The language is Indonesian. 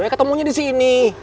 ya ketemunya disini